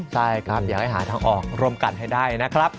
ใช่ครับอยากให้หาทางออกร่วมกันให้ได้นะครับ